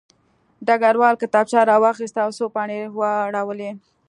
ډګروال کتابچه راواخیسته او څو پاڼې یې واړولې